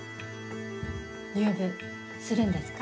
入部するんですか？